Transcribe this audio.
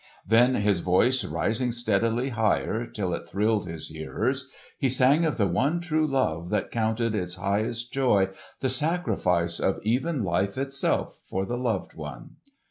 Then, his voice rising steadily higher till it thrilled his hearers, he sang of the one true love that counted its highest joy the sacrifice of even life itself for the loved one.